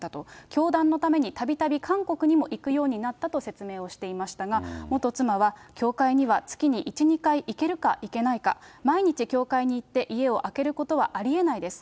教団のためにたびたび韓国にも行くようになったと説明をしていましたが、元妻は、教会には月に１、２回行けるか行けないか、毎日教会に行って家を空けることはありえないです。